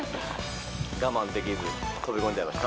我慢できず飛び込んじゃいました。